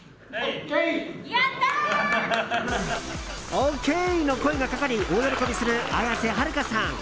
ＯＫの声がかかり大喜びする綾瀬はるかさん。